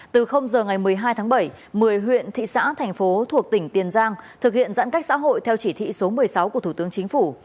từ giờ ngày một mươi hai tháng bảy một mươi huyện thị xã thành phố thuộc tỉnh tiền giang thực hiện giãn cách xã hội theo chỉ thị số một mươi sáu của thủ tướng chính phủ